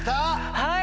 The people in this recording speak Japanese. はい！